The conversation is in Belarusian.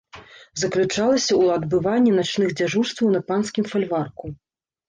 Заключалася ў адбыванні начных дзяжурстваў на панскім фальварку.